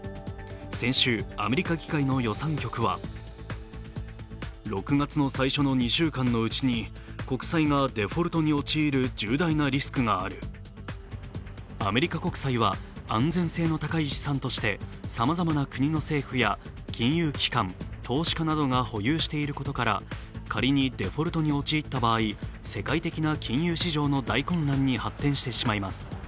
先週、アメリカ議会の予算局はアメリカ国際は安全性の高い資産としてさまざまな国の政府や、金融機関、投資家などが保有していることから、仮にデフォルトに陥った場合、世界的な金融市場の大混乱に発展してしまいます。